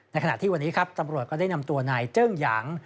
ขณะที่วันนี้ครับตำรวจก็ได้นำตัวนายเจิ้งหยาง